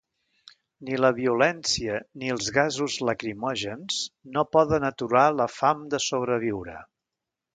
Ni la violència ni els gasos lacrimògens no poden aturar la fam de sobreviure.